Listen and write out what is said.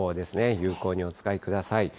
有効にお使いください。